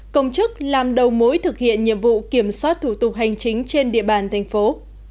công chức làm đầu mối thực hiện nhiệm vụ kiểm soát thủ tục hành chính trên địa bàn thành phố